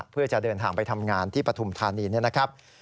เพื่อจะเดินทางไปทำงานที่ปฐุมธานีนะครับ